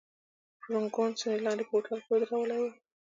فرګوسن یې لاندې په هوټل کې ودرولې وه.